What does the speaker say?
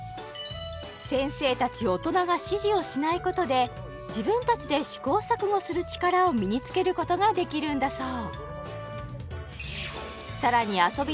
先生達大人が指示をしないことで自分達で試行錯誤する力を身に付けることができるんだそう